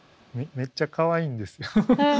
めっちゃかわいいんですよ。